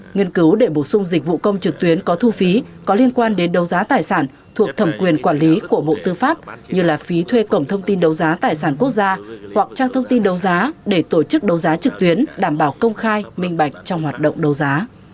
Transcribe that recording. nghiên cứu để bổ sung dịch vụ công trực tuyến có thu phí có liên quan đến đấu giá tài sản thuộc thẩm quyền quản lý của bộ tư pháp như là phí thuê cổng thông tin đấu giá tài sản quốc gia hoặc trang thông tin đấu giá để tổ chức đấu giá trực tuyến đảm bảo công khai minh bạch trong hoạt động đấu giá